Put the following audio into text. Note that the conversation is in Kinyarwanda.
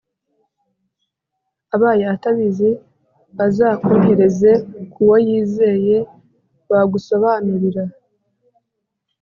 abaye atabizi, azakohereze ku wo yizeye wagusobanurira.